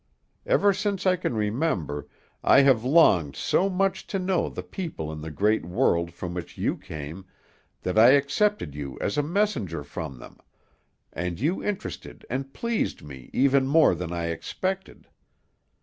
Ever since I can remember, I have longed so much to know the people in the great world from which you came that I accepted you as a messenger from them, and you interested and pleased me even more than I expected.